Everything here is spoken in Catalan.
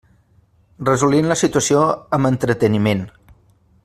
Resolien la situació amb entreteniment.